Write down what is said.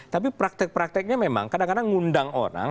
tapi praktek prakteknya memang kadang kadang ngundang orang